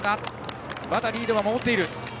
まだリードを守っている。